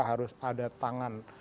harus ada tangan